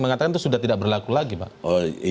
mengatakan itu sudah tidak berlaku lagi pak